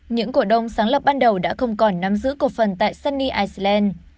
những cổ đông sáng lập ban đầu đã không còn nắm giữ cổ phần tại sunny iceland